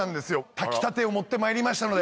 炊きたてを持ってまいりましたので。